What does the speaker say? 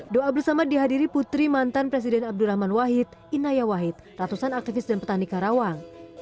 doa bersama dihadiri putri mantan presiden abdurrahman wahid inaya wahid ratusan aktivis dan petani karawang